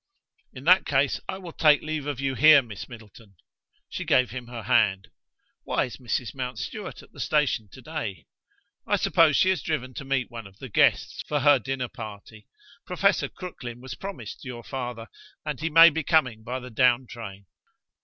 "In that case I will take my leave of you here, Miss Middleton." She gave him her hand. "Why is Mrs. Mountstuart at the station to day?" "I suppose she has driven to meet one of the guests for her dinner party. Professor Crooklyn was promised to your father, and he may be coming by the down train."